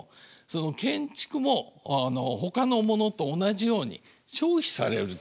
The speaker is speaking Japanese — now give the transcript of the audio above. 建築もほかのものと同じように消費される対象になった。